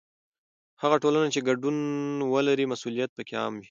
هغه ټولنه چې ګډون ولري، مسؤلیت پکې عام وي.